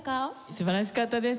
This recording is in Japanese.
素晴らしかったです。